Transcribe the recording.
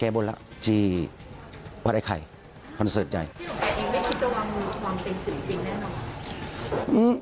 พี่ของแกอิงไม่คิดว่าจะวางมือวางเป็นสิ่งจริงนั่นหรือ